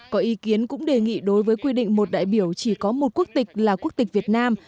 có ý kiến cũng đề nghị đối với quy định một đại biểu chỉ có một quốc tịch là quốc tịch việt nam